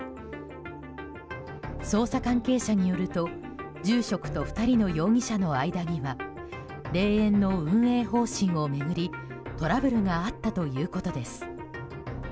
捜査関係者によると住職と２人の容疑者の間には霊園の運営方針を巡りトラブルがあったということです。